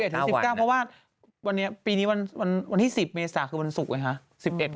แล้วก็๑๑๑๙เพราะว่าวันนี้ปีนี้วันที่๑๐เมษาคือวันศุกร์ไหมคะ